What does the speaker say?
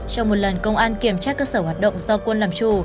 trong một lần công an kiểm tra cơ sở hoạt động do quân làm chủ